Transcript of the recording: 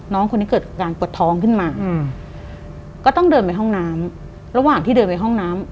น้องคนนี้เกิดการปวดท้องขึ้นมาก็ต้องเดินไปห้องน้ำระหว่างที่เดินไปห้องน้ำ